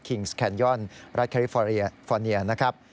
คิงส์แคลนยอนรัฐแคลิฟอร์เนียนะครับ